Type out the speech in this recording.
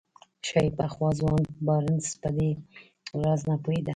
ښايي پخوا ځوان بارنس په دې راز نه پوهېده.